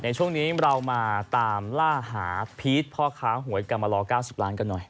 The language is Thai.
ช่วงนี้เรามาตามล่าหาพีชพ่อค้าหวยกรรมลอ๙๐ล้านกันหน่อย